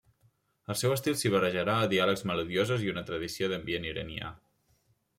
El seu estil s'hi barrejarà diàlegs melodiosos, i una tradició d'ambient iranià.